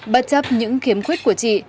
bất chấp những khiếm khuất của chị